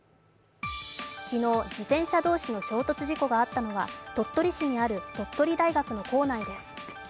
昨日、自転車同士の衝突事故があったのは鳥取市にある鳥取大学の構内です。